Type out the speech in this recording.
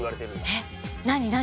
えっ何何？